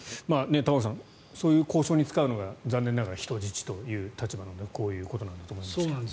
玉川さん、そういう交渉に使うのが残念ながら人質という立場なのでこういうことだと思いますが。